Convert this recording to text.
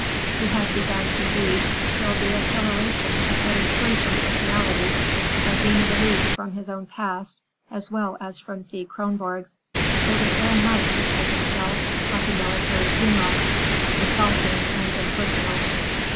He had begun, indeed, to feel the exhilaration of getting free from personalities, of being released from his own past as well as from Thea Kronborg's. It was very much, he told himself, like a military funeral, exalting and impersonal.